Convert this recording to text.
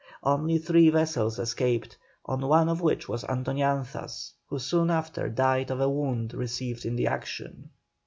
Only three vessels escaped, on one of which was Antoñanzas, who soon after died of a wound received in the action.